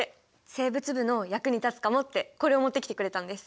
生物部の役に立つかもってこれをもってきてくれたんです。